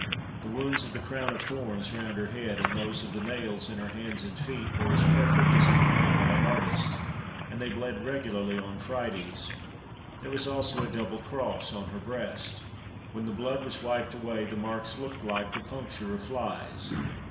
The wounds of the crown of thorns round her head, and those of the nails in her hands and feet, were as perfect as if painted by an artist, and they bled regularly on Fridays. There was also a double cross on her breast. When the blood was wiped away, the marks looked like the puncture of flies.